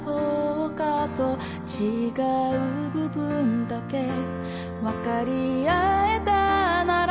「違う部分だけわかり合えたなら」